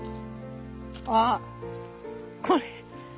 あっこれ。